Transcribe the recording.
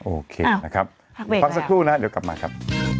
โอเคนะครับพักสักครู่นะเดี๋ยวกลับมาครับ